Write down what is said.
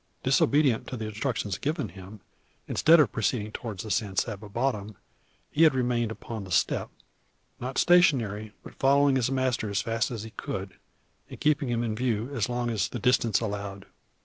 Disobedient to the instructions given him, instead of proceeding towards the San Saba bottom, he had remained upon the steppe. Not stationary, but following his master as fast as he could, and keeping him in view so long as the distance allowed.